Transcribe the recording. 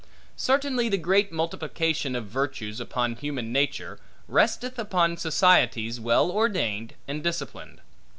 Certainly the great multiplication of virtues upon human nature, resteth upon societies well ordained and disciplined.